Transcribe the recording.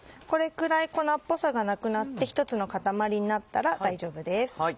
これくらい粉っぽさがなくなって１つの固まりになったら大丈夫です。